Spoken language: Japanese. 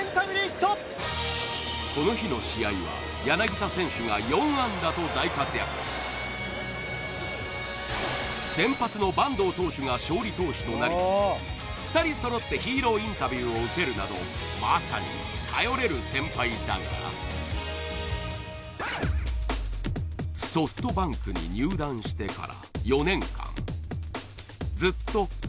この日の試合は先発の板東投手が勝利投手となり２人揃ってヒーローインタビューを受けるなどまさに頼れる先輩だがなるほどねニックネームになってるんだ